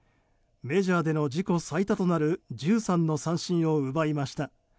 メジャーでの自己最多となる１３の三振を奪いました。